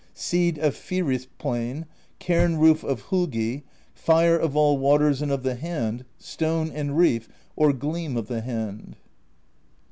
Seed of Fyris Plain, Cairn Roof of Holgi, Fire of all Waters and of the Hand, Stone and Reef or Gleam of the Hand.